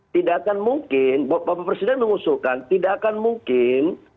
tidak akan mungkin bapak presiden mengusulkan tidak akan mungkin